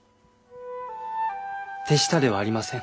手下ではありません。